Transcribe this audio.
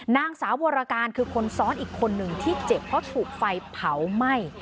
นางสาววรการคือคนซ้อนอีกคนหนึ่งที่เจ็บเพราะถูกไฟเผาไหม้